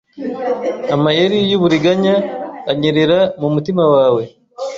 amayeri yuburiganya anyerera mumutima wawe